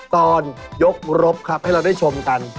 ตอนยกรบครับให้เราได้ชมกัน